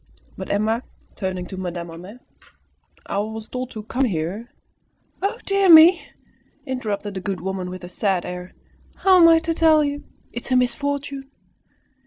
But Emma, turning to Madame Homais, "I was told to come here " "Oh, dear me!" interrupted the good woman, with a sad air, "how am I to tell you? It is a misfortune!"